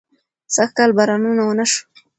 سږکال بارانونه ونه شو